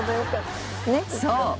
［そう。